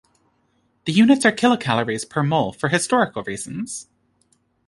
The units are kilocalories per mole for historical reasons.